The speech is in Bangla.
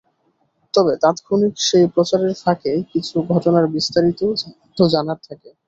তবে তাৎক্ষণিক সেই প্রচারের ফাঁকে কিছু ঘটনার বিস্তারিতও তো জানার থাকে।